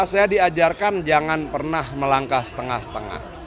saya diajarkan jangan pernah melangkah setengah setengah